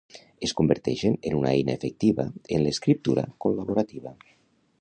Es converteixen en una eina efectiva en l'escriptura col·laborativa.